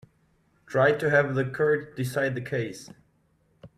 Try to have the court decide the case.